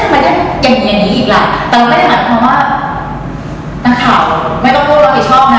ยังไม่เหมือนมันเค้าไม่กลัวว่ากลับอีกช่องนะ